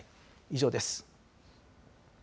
以上です。